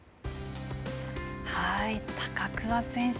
高桑選手。